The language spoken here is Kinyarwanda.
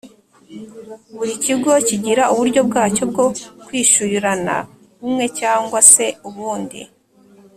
Buri kigo kigira uburyo bwacyo bwo kwishuyurana bumwe cyangwa se ubundi